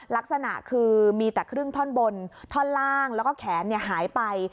ลักษณะคือมีแต่ครึ่งท่อนบนท่อนล่างแล้วก็แขนหายไป